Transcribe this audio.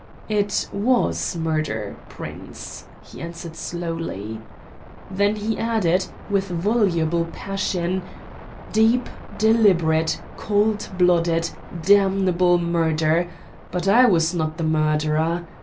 "It was murder, Prince," he answered slowly. Then he added, with voluble passion, "Deep, deliberate, cold blooded, damnable murder; but I was not the murderer.